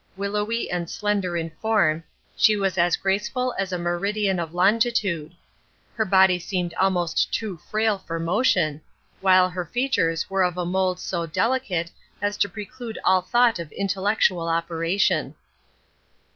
Willowy and slender in form, she was as graceful as a meridian of longitude. Her body seemed almost too frail for motion, while her features were of a mould so delicate as to preclude all thought of intellectual operation.